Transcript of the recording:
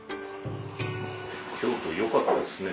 京都よかったですね。